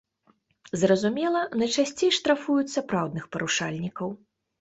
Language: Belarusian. Зразумела, найчасцей штрафуюць сапраўдных парушальнікаў.